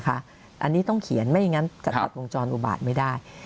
อันนี้ต้องเขียนไม่อย่างนั้นจะตัดวงจรอุบาตไม่ได้